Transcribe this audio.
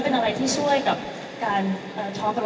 เป็นอะไรที่ช่วยแล้วการบังกลัว